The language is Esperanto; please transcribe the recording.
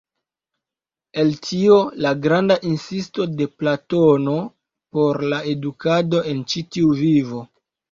El tio la granda insisto de Platono por la edukado en ĉi tiu vivo.